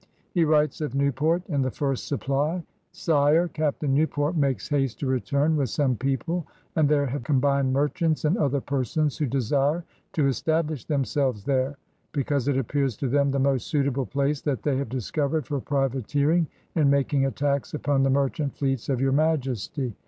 He writes of Newport and the First Supply. "Sire. ... Cap tain Newport makes haste to return with some people — and there have combined merchants and other persons who desire to establish themselves there; because it appears to them the most suitable place that they have discovered for privateering and making attacks upon the merchant fleets of Your Majesty.